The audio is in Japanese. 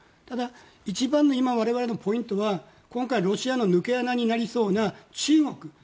ただ、一番の我々のポイントは今回、ロシアの抜け穴になりそうな中国。